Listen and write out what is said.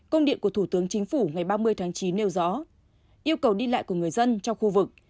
công điện của thủ tướng chính phủ ngày ba mươi tháng chín nêu rõ yêu cầu đi lại của người dân trong khu vực